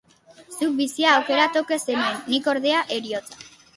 Zuk bizia aukeratu zenuen; nik, ordea, heriotza